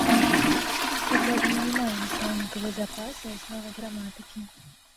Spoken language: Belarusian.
Хаця б мінімальны слоўнікавы запас і асновы граматыкі.